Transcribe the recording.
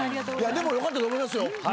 でもよかったと思いますよ。